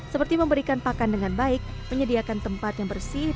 seperti memberikan pakan dengan baik menyediakan tempat yang bersih